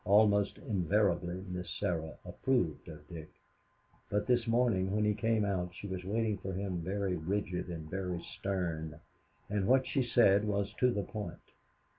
Almost invariably Miss Sarah approved of Dick, but this morning when he came out she was waiting for him very rigid and very stern, and what she said was to the point.